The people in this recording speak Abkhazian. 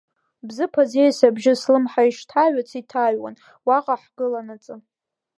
Бзыԥ аӡиас абжьы слымҳа ишҭаҩыц иҭаҩуан уаҟа ҳгыланаҵы.